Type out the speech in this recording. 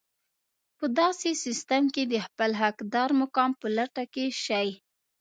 په داسې سيستم کې د خپل حقدار مقام په لټه کې شئ.